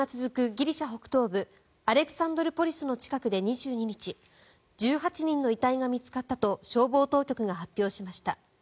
ギリシャ北東部アレクサンドルポリスの近くで２２日１８人の遺体が見つかったと消防当局が発表しました。